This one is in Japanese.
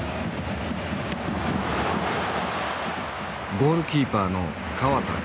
ゴールキーパーの河田晃兵。